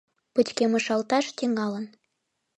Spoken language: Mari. Пычкемышалташ тӱҥалын.